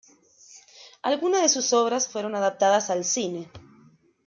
Algunas de sus obras fueron adaptadas al cine.